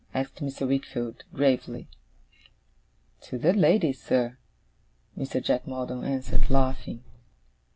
asked Mr. Wickfield gravely. 'To the lady, sir,' Mr. Jack Maldon answered, laughing.